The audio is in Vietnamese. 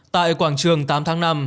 tại quảng trường tám tháng năm